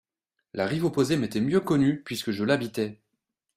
La rive opposée m'était mieux connue puisque je l'habitais.